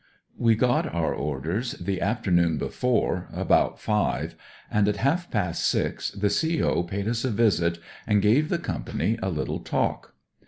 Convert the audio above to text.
" We got our orders the afternoon before — about five, and at half past six the CO. paid us a visit and gave the Company a little talk.